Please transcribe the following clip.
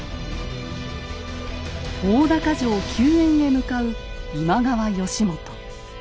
大高城救援へ向かう今川義元。